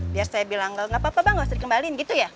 biar saya bilang enggak apa apa bang enggak usah dikembalikan gitu ya